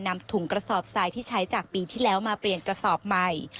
นำถุงกระสอบทรายที่ใช้จากปีที่แล้วมาเปลี่ยนกระสอบใหม่